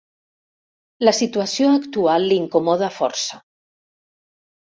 La situació actual l'incomoda força.